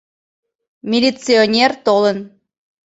Милиционер толын...